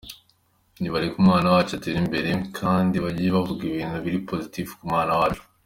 Nibareke umwana wacu atere imbere kandi bajye bavuga ibintu biri positif ku mwana wacu.